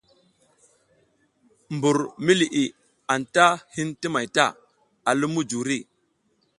Mbur mi liʼi anta hin ti may ta, a lum mujuri.